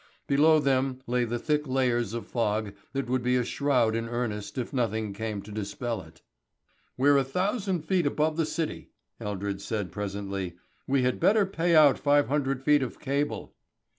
Below them lay the thick layers of fog that would be a shroud in earnest if nothing came to dispel it. "We're a thousand feet above the city," Eldred said presently. "We had better pay out five hundred feet of cable."